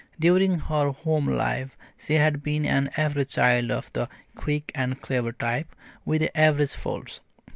During her home life she had been an average child of the quick and clever type, with average faults.